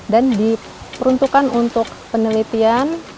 dan diperuntukkan untuk penelitian